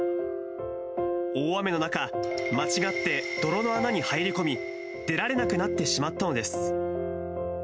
大雨の中、間違って泥の穴に入り込み、出られなくなってしまったのです。